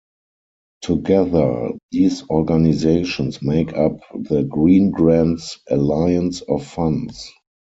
Together, these organizations make up the Greengrants Alliance of Funds.